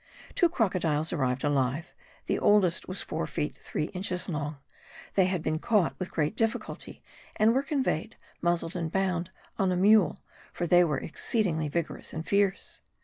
Two crocodiles arrived alive; the oldest was four feet three inches long; they had been caught with great difficulty and were conveyed, muzzled and bound, on a mule, for they were exceedingly vigorous and fierce.